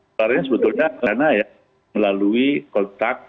sebenarnya sebetulnya karena melalui kontak